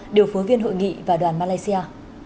điều phối viên hội nghị và đoàn malaysia